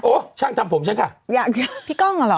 โอ้ช่างทำผมฉันค่ะพี่กล้องเหรอ